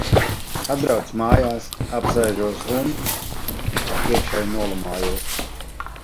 Atbraucu mājās, apsēžos, un... iekšēji nolamājos.